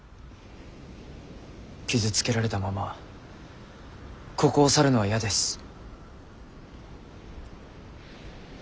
傷つけられたままここを去るのは嫌です。